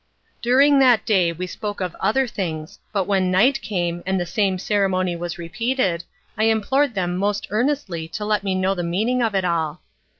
During that day we spoke of other things, but when night came, and the same ceremony was repeated, I implored them most earnestly to let me know the meaning of it all.